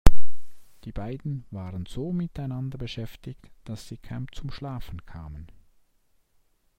Die beiden waren so miteinander beschäftigt, dass sie kaum zum Schlafen kamen.